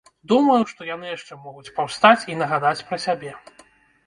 Думаю, што яны яшчэ могуць паўстаць і нагадаць пра сябе.